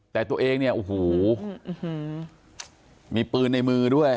แต่ตัวเองเนี่ยโอ้โหมีปืนในมือด้วย